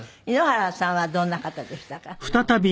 井ノ原さんはどんな方でしたか？